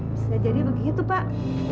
bisa jadi begitu pak